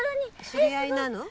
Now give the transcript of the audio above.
知り合いなの？